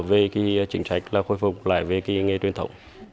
về cái chính sách là khôi phục lại về cái nghề truyền thống